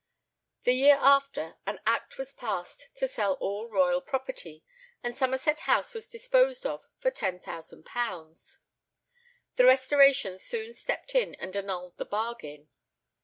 The year after, an Act was passed to sell all royal property, and Somerset House was disposed of for £10,000. The Restoration soon stepped in and annulled the bargain.